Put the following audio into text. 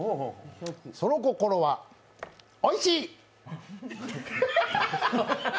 その心は、おいしい！